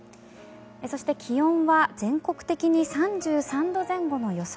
そして、気温は全国的に３３度前後の予想。